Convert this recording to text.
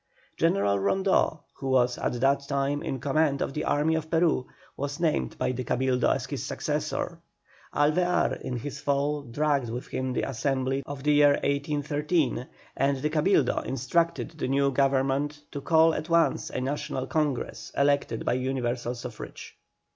General Rondeau, who was at that time in command of the army of Peru, was named by the Cabildo as his successor. Alvear in his fall dragged with him the Assembly of the year 1813, and the Cabildo instructed the new Government to call at once a National Congress elected by universal suffrage.